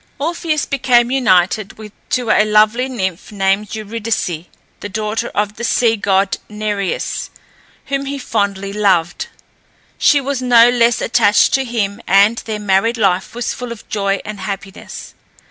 Orpheus became united to a lovely nymph named Eurydice, the daughter of the sea god Nereus, whom he fondly loved. She was no less attached to him, and their married life was full of joy and happiness.